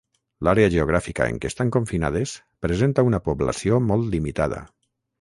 L'àrea geogràfica en què estan confinades presenta una població molt limitada.